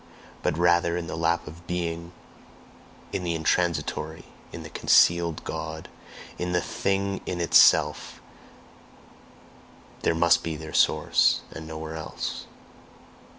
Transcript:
But rather in the lap of Being, in the intransitory, in the concealed God, in the 'Thing in itself THERE must be their source, and nowhere else!"